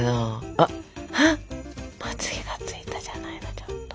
あまつげがついたじゃないのちょっと。